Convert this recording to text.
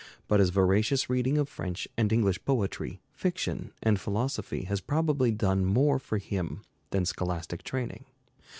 But his voracious reading of French and English poetry, fiction, and philosophy has probably done more for him than scholastic training.